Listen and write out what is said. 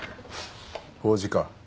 法事か。